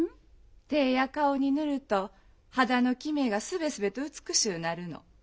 手や顔に塗ると肌のキメがすべすべと美しゅうなるの。